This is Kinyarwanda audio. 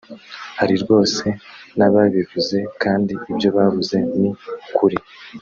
hari rwose n’ababivuze kandi ibyo bavuze ni ukuri